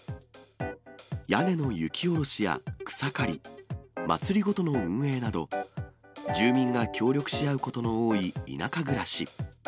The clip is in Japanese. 屋根の雪下ろしや草刈り、祭りごとの運営など、住民が協力し合うことの多い田舎暮らし。